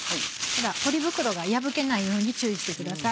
ポリ袋が破けないように注意してください。